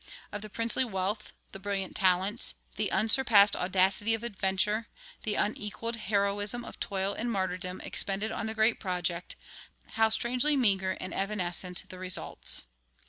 Of the princely wealth, the brilliant talents, the unsurpassed audacity of adventure, the unequaled heroism of toil and martyrdom expended on the great project, how strangely meager and evanescent the results!